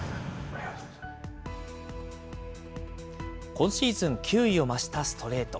今シーズン、球威を増したストレート。